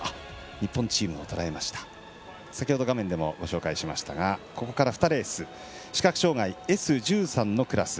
日本チームは先ほど画面でもご紹介しましたがここから２レース視覚障がい、Ｓ１３のクラス。